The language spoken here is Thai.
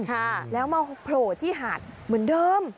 ค่ะแล้วมาโผล่ที่หาดเหมือนเดิม